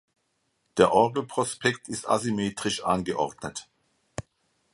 Der Orgelprospekt ist asymmetrisch angeordnet.